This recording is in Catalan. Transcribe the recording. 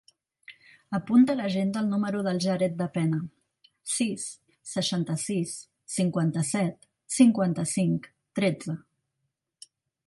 Apunta a l'agenda el número del Jared Dapena: sis, seixanta-sis, cinquanta-set, cinquanta-cinc, tretze.